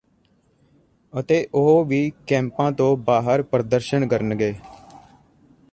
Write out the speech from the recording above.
ਅਤੇ ਉਹ ਵੀ ਕੈਂਪਾਂ ਤੋਂ ਬਾਹਰ ਪ੍ਰਦਰਸ਼ਨ ਕਰਨਗੇ